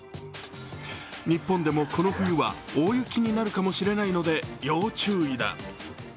日本でもこの冬は大雪になるかもしれないので、要注意だ。